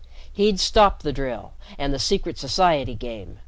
He'd stop the drill and the "Secret Society" game.